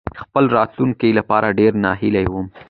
خپل راتلونکې لپاره ډېرې ناهيلې وم.